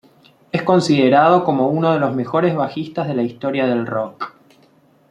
Es considerado como uno de los mejores bajistas de la historia del rock.